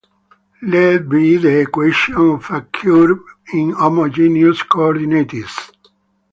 Let be the equation of a curve in homogeneous coordinates.